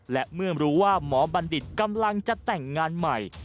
และเมื่อรู้ว่าหมอบัณฑิตกำลังจะแต่งงานใหม่